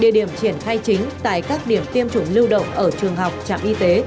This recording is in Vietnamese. địa điểm triển khai chính tại các điểm tiêm chủng lưu động ở trường học trạm y tế